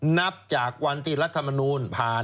นับจากวันที่รัฐมนูลผ่าน